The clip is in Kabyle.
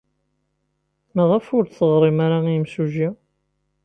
Maɣef ur d-teɣrim ara i yimsujji?